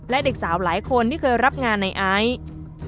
และเด็กสาวหลายคนที่เคยรับงานในไอซ์